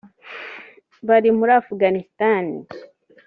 bari muri Afghanistan